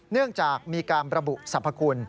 เนื่องจากมีการระบุสรรพคุณ